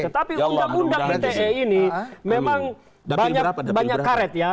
tetapi undang undang ite ini memang banyak karet ya